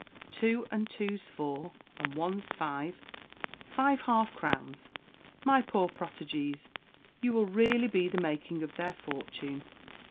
Two and two's four, and one's five five half crowns! My poor protégées! you will really be the making of their fortune!"